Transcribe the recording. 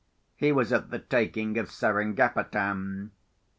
He was at the taking of Seringapatam.